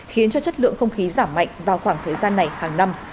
khiến cho chất lượng không khí giảm mạnh vào khoảng thời gian này hàng năm